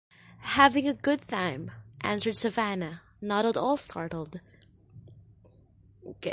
"Having a good time," answered Savannah, not at all startled.